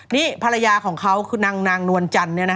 นี่ภรรยาของเขาคือนางนวลจันทร์